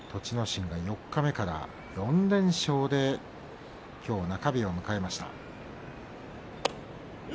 心が四日目から４連勝できょう中日を迎えました。